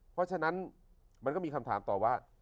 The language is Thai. เพราะฉะนั้นมันก็มีคำถามต่อว่า